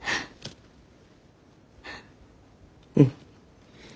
うん。